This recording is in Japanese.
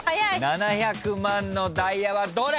７００万のダイヤはどれ？